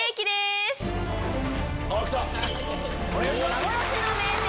幻の名店